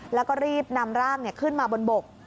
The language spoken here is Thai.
แล้วก็รีบนำร่างขึ้นมาบนบก